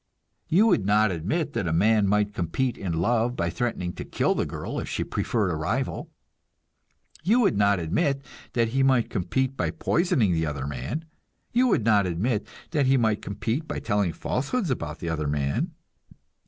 You would not admit that a man might compete in love by threatening to kill the girl if she preferred a rival. You would not admit that he might compete by poisoning the other man. You would not admit that he might compete by telling falsehoods about the other man.